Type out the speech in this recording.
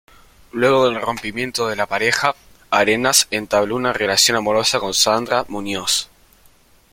Luego del rompimiento de la pareja, Arenas entabló una relación amorosa con Sandra Muñoz.